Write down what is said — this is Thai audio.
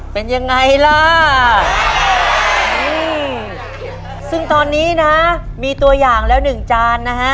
เป็นยังไงล่ะอืมซึ่งตอนนี้นะมีตัวอย่างแล้วหนึ่งจานนะฮะ